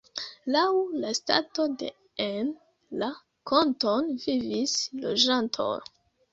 Laŭ la stato de en la kantono vivis loĝantoj.